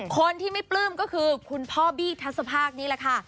คนที่ไม่ปลื้มก็คือคุณพ่อบี้ทัศภาคนี่แหละค่ะ